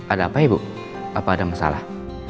ada apa ya bu apa ada masalah